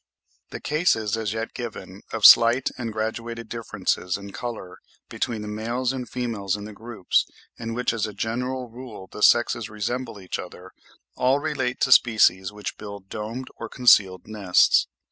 The cases, as yet given, of slight and graduated differences in colour between the males and females in the groups, in which as a general rule the sexes resemble each other, all relate to species which build domed or concealed nests.